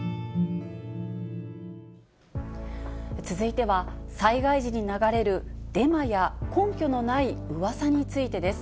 続いては、災害時に流れるデマや根拠のないうわさについてです。